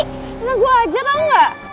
bisa gua ajak bang enggak